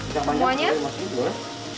kacang panjang sudah dimasukin dulu ya